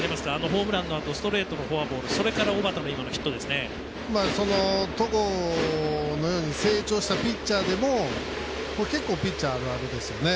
ホームランのあとストレートのフォアボール戸郷のように成長したピッチャーでも結構ピッチャーあるあるですよね。